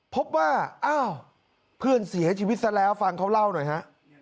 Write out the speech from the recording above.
พบว่าอ้าวเพื่อนเสียชีวิตซะแล้วฟังเขาเล่าหน่อยฮะ